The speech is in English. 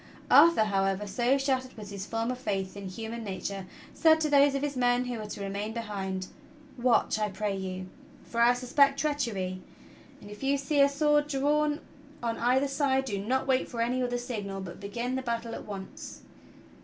Arthur, however, so shattered was his former faith in human nature, said to those of his men who were to remain behind: "Watch, I pray you, for I suspect treachery; and if you see a sword drawn on either side, do not wait for any other signal but begin the battle at once."